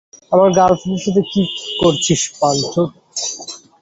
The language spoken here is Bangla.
আমার গার্লফ্রেন্ডের সাথে কী করছিস, বাঞ্চোত?